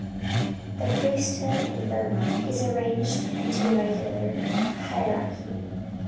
The priesthood in Burmah is arranged into a regular hierarchy.